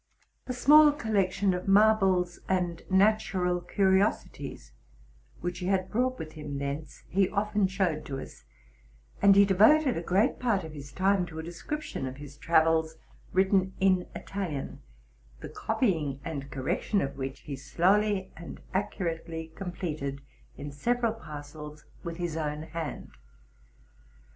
A small collection of marbles and natural curiosities, which he had brought with him thence, he often showed to us; and he devoted a great part of his time to a description of his travels, written in Italian, the copying and correction of which he slowly and accurately completed, in several parcels, with his own hand.